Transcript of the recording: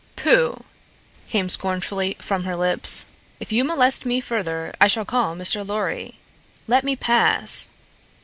"Pooh!" came scornfully from her lips. "If you molest me further I shall call Mr. Lorry. Let me pass!"